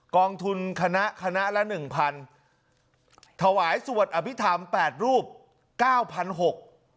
กองทุนคณะคณะละหนึ่งพันถวายสวดอภิษฐรรมแปดรูปเก้าพันหก